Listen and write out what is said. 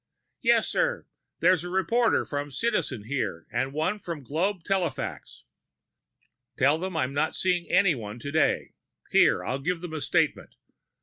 "Yes, sir. There's a reporter from Citizen here, and one from Globe Telefax." "Tell them I'm not seeing anyone today. Here, I'll give them a statement.